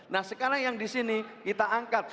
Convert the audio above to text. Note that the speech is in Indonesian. nah sekarang yang di sini kita angkat